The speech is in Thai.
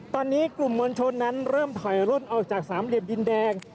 ตอนนี้กลุ่มมวลชนนั้นเริ่มถอยร่นออกจากสามเหลี่ยมดินแดง